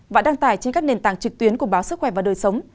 và đăng tải trên các nền tảng trực tuyến của báo sức khỏe và đời sống